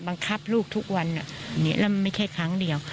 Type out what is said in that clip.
บังคับลูกทุกวันแล้วมันไม่ใช่ครั้งเดียว